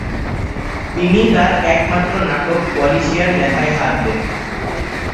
তিনি তাঁর একমাত্র নাটক পলিশিয়ান লেখায় হাত দেন।